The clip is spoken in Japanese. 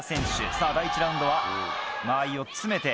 さぁ第１ラウンドは間合いを詰めて。